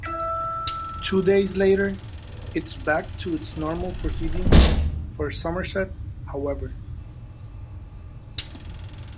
Two days later, it was back to normal proceedings for Somerset, however.